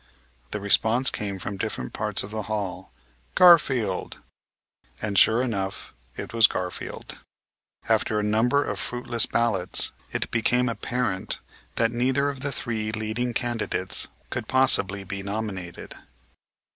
The response came from different parts of the hall, "Garfield." And sure enough it was Garfield. After a number of fruitless ballots it became apparent that neither of the three leading candidates could possibly be nominated.